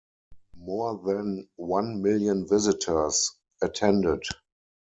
More than one million visitors attended.